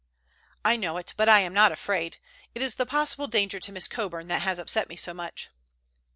"I know it, but I am not afraid. It is the possible danger to Miss Coburn that has upset me so much."